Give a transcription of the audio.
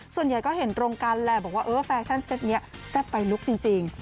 ส่วนใหญ่ก็เห็นตรงกันแหละบอกว่าเออแฟชั่นเซ็ตนี้แซ่บไฟลุกจริง